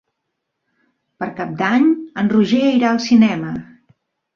Per Cap d'Any en Roger irà al cinema.